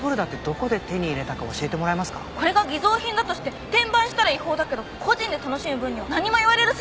これが偽造品だとして転売したら違法だけど個人で楽しむ分には何も言われる筋合いないですよね。